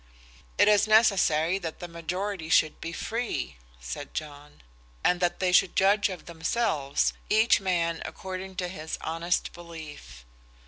"It is necessary that the majority should be free," said John, "and that they should judge of themselves, each man according to his honest belief.